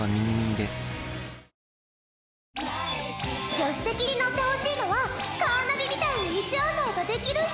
助手席に乗ってほしいのはカーナビみたいに道案内ができる人？